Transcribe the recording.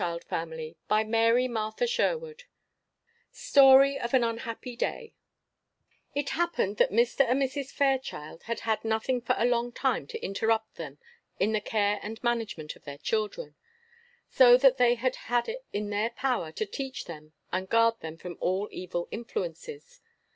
] Story of an Unhappy Day [Illustration: Lucy and Emily] It happened that Mr. and Mrs. Fairchild had had nothing for a long time to interrupt them in the care and management of their children; so that they had had it in their power to teach them and guard them from all evil influences.